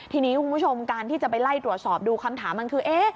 ทีนี้คุณผู้ชมการที่จะไปไล่ตรวจสอบดูคำถามมันคือ